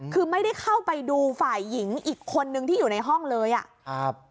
คือไม่ได้เข้าไปดูฝ่ายหญิงอีกคนนึงที่อยู่ในห้องเลยอ่ะครับ